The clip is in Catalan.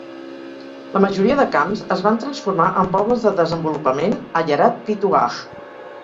La majoria de camps es van transformar en Pobles de Desenvolupament - "Ayarat Pitu'ach".